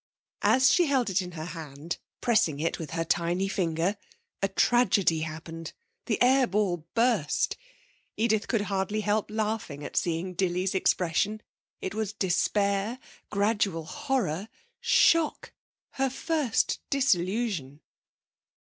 As she held it in her hand, pressing it with her tiny finger, a tragedy happened. The air ball burst. Edith could hardly help laughing at seeing Dilly's expression. It was despair gradual horror shock, her first disillusion!